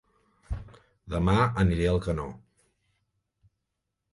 Dema aniré a Alcanó